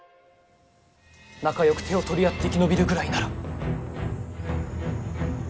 仲よく手を取り合って生き延びるぐらいなら。